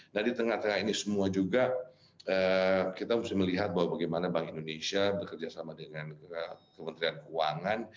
nah di tengah tengah ini semua juga kita harus melihat bahwa bagaimana bank indonesia bekerjasama dengan kementerian keuangan